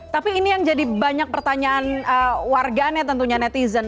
tapi ini yang jadi banyak pertanyaan warganet tentunya netizen